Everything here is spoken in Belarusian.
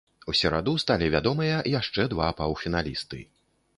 У сераду сталі вядомыя яшчэ два паўфіналісты.